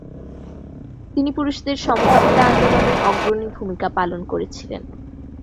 তিনি পুরুষদের সমকামিতা আন্দোলনে অগ্রণী ভূমিকা পালন করেছিলেন।